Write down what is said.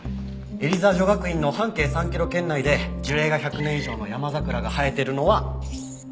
エリザ女学院の半径３キロ圏内で樹齢が１００年以上のヤマザクラが生えてるのは。